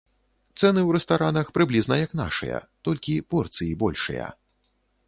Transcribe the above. Цэны ў рэстаранах прыблізна як нашыя, толькі порцыі большыя.